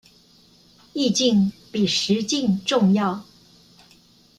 意境比實境重要